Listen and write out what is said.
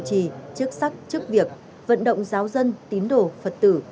các chủ trì chức sắc chức việc vận động giáo dân tín đồ phật tử